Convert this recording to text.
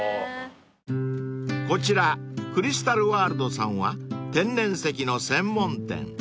［こちらクリスタル・ワールドさんは天然石の専門店］